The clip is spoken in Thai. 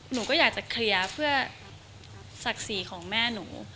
หนูก็อยากจะเคลียร์เพื่อศักดิ์ศรีของแม่หนู